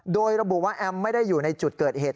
โดยระบุว่าแอมไม่ได้อยู่ในจุดเกิดเหตุ